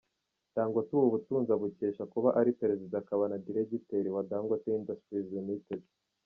Dangote ubu butunzi abukesha kuba ari Perezida akaba na diregiteri wa Dangote industries Limited.